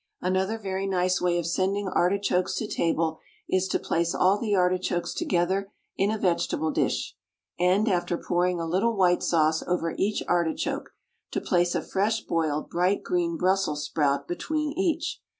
Another very nice way of sending artichokes to table is to place all the artichokes together in a vegetable dish, and, after pouring a little white sauce over each artichoke, to place a fresh boiled bright green Brussels sprout between each.